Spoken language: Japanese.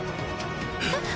えっ？